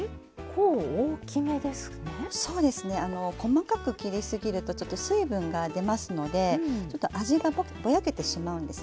細かく切り過ぎると水分が出ますのでちょっと味がぼやけてしまうんですね。